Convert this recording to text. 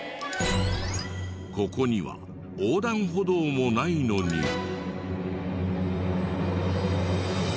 ここには横断歩道もないのに。